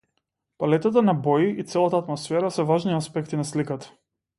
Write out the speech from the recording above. Палетата на бои и целата атмосфера се важни аспекти на сликата.